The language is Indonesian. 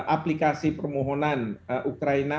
aplikasi permohonan ukraina